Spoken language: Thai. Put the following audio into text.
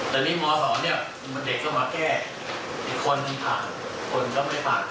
แต่นี่หมอสอบเนี่ยเด็กเขามาแก้คนทั่นต่างและไป